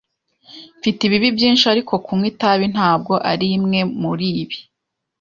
Mfite ibibi byinshi, ariko kunywa itabi ntabwo arimwe muribi.